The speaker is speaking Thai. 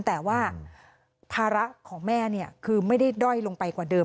แต่ว่าภาระของแม่คือไม่ได้ด้อยลงไปกว่าเดิม